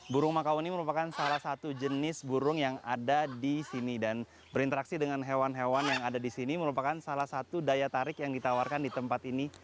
burung makau ini merupakan salah satu jenis burung yang ada di sini dan berinteraksi dengan hewan hewan yang ada di sini merupakan salah satu daya tarik yang ditawarkan di tempat ini